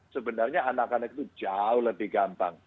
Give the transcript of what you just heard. sebenarnya anak anak itu jauh lebih gampang